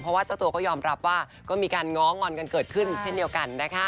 เพราะว่าเจ้าตัวก็ยอมรับว่าก็มีการง้องอนกันเกิดขึ้นเช่นเดียวกันนะคะ